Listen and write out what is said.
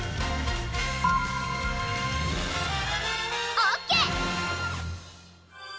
ＯＫ！